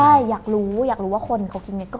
ใช่อยากรู้อยากรู้ว่าคนเขากินอย่างนี้